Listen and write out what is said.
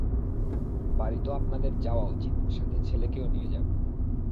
বাড়ি তো আপনাদের যাওয়া উচিত, সাথে ছেলেকেও নিয়ে যাবেন।